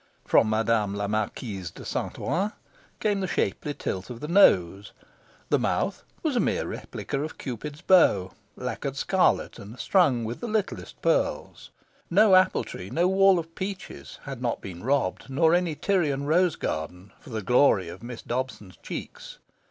From Madame la Marquise de Saint Ouen came the shapely tilt of the nose. The mouth was a mere replica of Cupid's bow, lacquered scarlet and strung with the littlest pearls. No apple tree, no wall of peaches, had not been robbed, nor any Tyrian rose garden, for the glory of Miss Dobson's cheeks.